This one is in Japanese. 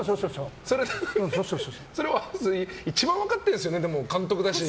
でも、それは一番分かってますよね、監督だし。